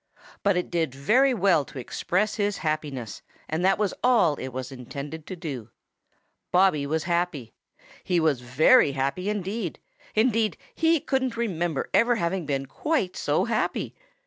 But it did very well to express his happiness, and that was all it was intended to do. Bobby was happy. He was very happy indeed. Indeed he couldn't remember ever having been quite so happy.